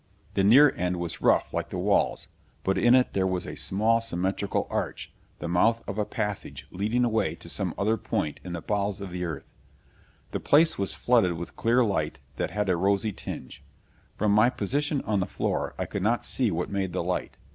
The near end was rough like the walls; but in it there was a small, symmetrical arch, the mouth of a passage leading away to some other point in the bowels of the earth. The place was flooded with clear light that had a rosy tinge. From my position on the floor I could not see what made the light.